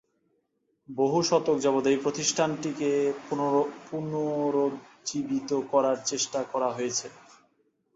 বহু শতক যাবত এই প্রতিষ্ঠানটিকে পুনরুজ্জীবিত করার চেষ্টা করা হয়েছে।